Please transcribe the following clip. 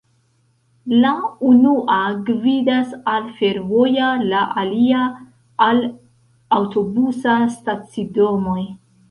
La unua gvidas al fervoja, la alia al aŭtobusa stacidomoj.